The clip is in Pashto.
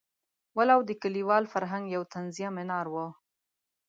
ولو د کلیوال فرهنګ یو طنزیه منار وو.